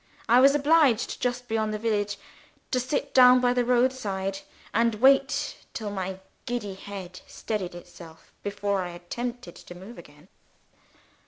I was obliged, just beyond the village, to sit down by the road side, and wait till my giddy head steadied itself before I attempted to move again.